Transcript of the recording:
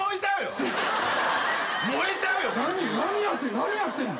何やってんの？